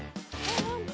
［何だ？